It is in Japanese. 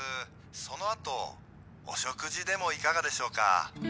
☎そのあとお食事でもいかがでしょうか？